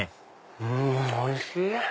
うんおいしい！